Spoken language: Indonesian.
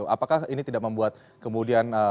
apakah ini tidak membuat kemudian